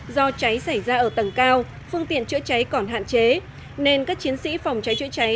do cháy xảy ra ở tầng cao phương tiện chữa cháy còn hạn chế nên các chiến sĩ phòng cháy chữa cháy